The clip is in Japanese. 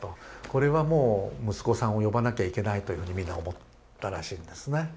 これはもう息子さんを呼ばなきゃいけないというふうに皆思ったらしいんですね。